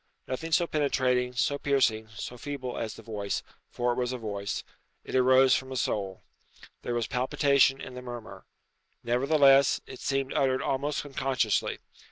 Nothing so penetrating, so piercing, so feeble as the voice for it was a voice. It arose from a soul. There was palpitation in the murmur. Nevertheless, it seemed uttered almost unconsciously.